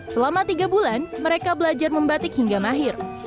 selama tiga bulan mereka belajar membatik hingga mahir